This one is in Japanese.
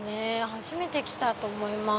初めて来たと思います。